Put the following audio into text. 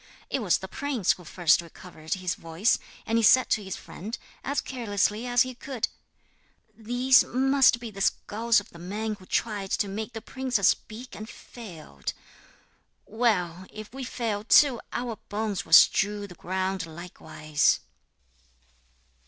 It was the prince who first recovered his voice, and he said to his friend, as carelessly as he could: 'These must be the skulls of the men who tried to make the princess speak and failed. Well, if we fail too, our bones will strew the ground likewise.'